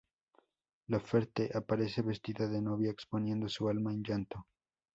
Laferte aparece vestida de novia exponiendo su alma en llanto.